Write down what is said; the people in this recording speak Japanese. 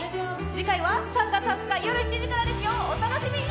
次回は３月２０日夜８時からですよ、お楽しみに！